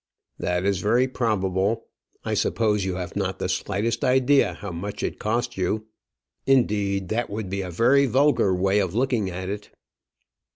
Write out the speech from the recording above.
"That is very probable. I suppose you have not the slightest idea how much it cost you. Indeed, that would be a very vulgar way of looking at it."